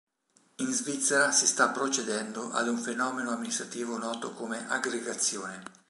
In Svizzera si sta procedendo ad un fenomeno amministrativo noto come "aggregazione".